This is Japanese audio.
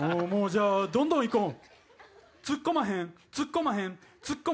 じゃあどんどん行こう。